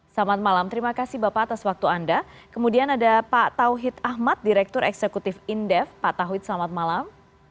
selamat malam terima kasih bapak atas waktu anda kemudian ada pak tauhid ahmad direktur eksekutif indef pak tauhid selamat malam